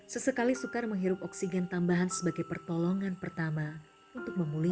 sesekali sukar menghirup oksigen tambahan sebagai pertolongan pertama untuk memulihkan sesak nafasnya tabung oksigen kecil lagi